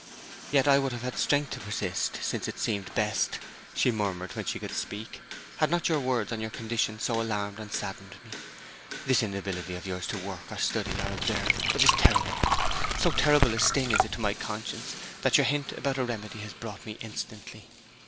'Yet I would have had strength to persist, since it seemed best,' she murmured when she could speak, 'had not your words on your condition so alarmed and saddened me. This inability of yours to work, or study, or observe, it is terrible! So terrible a sting is it to my conscience that your hint about a remedy has brought me instantly.'